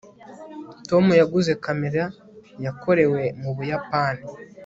tom yaguze kamera yakorewe mu buyapani